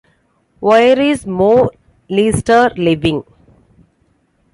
Where is Moe Lester living?